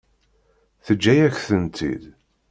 Teǧǧa-yak-tent-id.